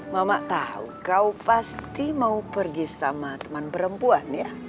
mama tahu kau pasti mau pergi sama teman perempuan ya